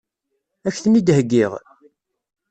Ad k-ten-id-heggiɣ?